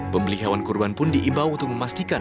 pembeli hewan kurban pun diimbau untuk memastikan